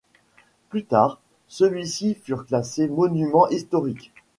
Plus tard, ceux-ci seront classés monument historique.